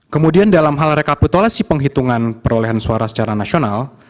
kemudian dalam hal rekapitulasi penghitungan perolehan suara secara nasional